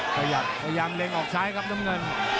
ขยับพยายามเล็งออกซ้ายครับน้ำเงิน